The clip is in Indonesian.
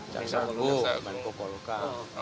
jaksa agung menko polhukam